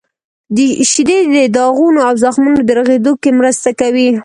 • شیدې د داغونو او زخمونو د رغیدو کې مرسته کوي.